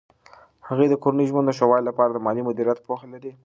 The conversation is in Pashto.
هغې د کورني ژوند د ښه والي لپاره د مالي مدیریت پوهه لري.